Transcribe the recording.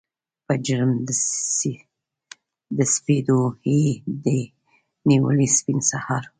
په جرم د سپېدو یې دي نیولي سپین سهار